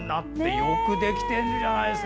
よくできているんじゃないんですか。